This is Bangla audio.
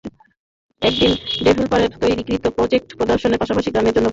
এদিন ডেভেলপারদের তৈরিকৃত প্রজেক্ট প্রদর্শনের পাশাপাশি গেমার জন্য বিশেষ আয়োজন থাকবে।